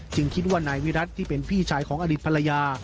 คิดว่านายวิรัติที่เป็นพี่ชายของอดีตภรรยา